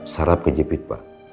sarap kejepit pak